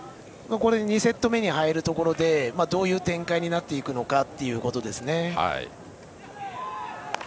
２セット目に入るところでどういう展開になっていくのかというところですね。